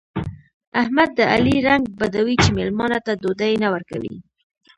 احمد د علي رنګ بدوي چې مېلمانه ته ډوډۍ نه ورکوي.